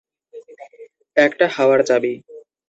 একটা হাওয়ার চাবি।